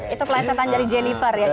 itu pelesetan dari jennifer ya